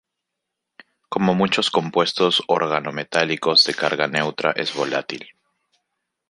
Como muchos compuestos organometálicos de carga neutra es volátil.